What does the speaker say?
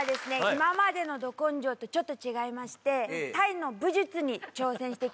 今までの「ど根性」とちょっと違いましてタイの武術に挑戦してきました。